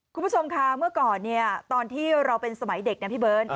คุณผู้ชมค่ะเมื่อก่อนเนี่ยตอนที่เราเป็นสมัยเด็กนะพี่เบิร์ต